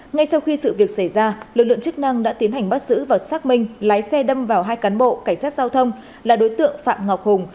ngay sau khi sự việc xảy ra lực lượng chức năng đã tiến hành bắt giữ và xác minh lái xe đâm vào hai cán bộ cảnh sát giao thông là đối tượng phạm ngọc hùng